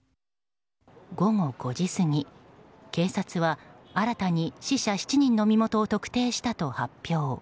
午後５時過ぎ警察は新たに死者７人の身元を特定したと発表。